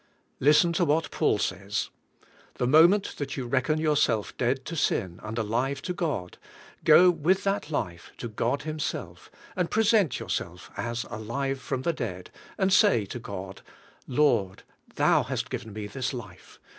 Listen to what Paul says. The mo ment that you reckon yourself dead to sin and alive to God, go with that life to God Himself, and present yourself as alive from the dead, and say to God: "Lord, Thou hast given me this life.